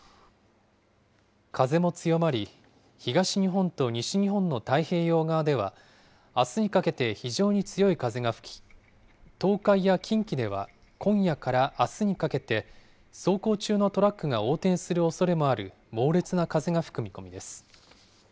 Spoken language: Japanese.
風も強まり、東日本と西日本の太平洋側では、あすにかけて非常に強い風が吹き、東海や近畿では、今夜からあすにかけて、走行中のトラックが横転するおそれもある猛烈な風が吹く見込みです。